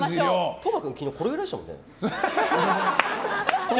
斗真君昨日これくらいでしたもんね。